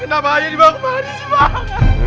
kenapa aja dibawa kemana